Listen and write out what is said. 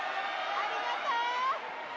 ありがとう！